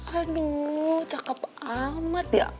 aduh cakep amat ya